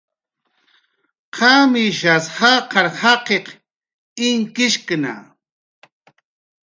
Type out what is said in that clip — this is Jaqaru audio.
¿Qamishas jaqar jaqiq inkishkna?